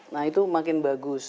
nah itu makin bagus